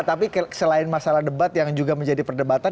tapi selain masalah debat yang juga menjadi perdebatan